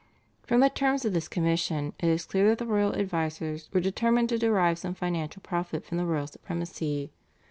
From the terms of this commission it is clear that the royal advisers were determined to derive some financial profit from the royal supremacy.